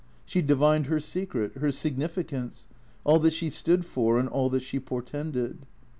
She divined her secret, her signifi cance, all that she stood for and all that she portended.